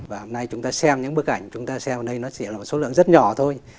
và hôm nay chúng ta xem những bức ảnh chúng ta xem ở đây nó chỉ là một số lượng rất nhỏ thôi